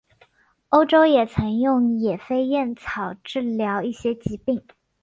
欧洲也曾用野飞燕草治疗一些疾病。